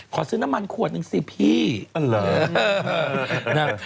ขอซื้อน้ำมันขวดหนึ่งสิพี่อ๋อเหรอ